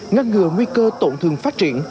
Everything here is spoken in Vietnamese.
ngăn ngừa nguy cơ tổn thương phát triển